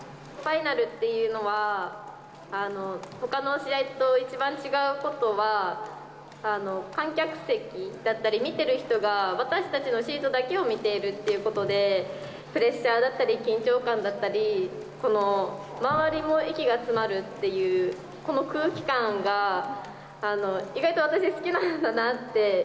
ファイナルっていうのは、ほかの試合と一番違うことは、観客席だったり、見てる人が、私たちのシートだけを見ているっていうことで、プレッシャーだったり、緊張感だったり、この周りも息が詰まるっていう、この空気感が、意外と私、好きなんだなって。